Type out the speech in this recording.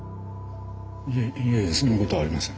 いえいやいやそんなことはありません。